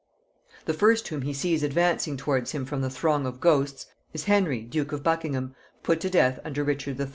The first whom he sees advancing towards him from the throng of ghosts is Henry duke of Buckingham, put to death under Richard III.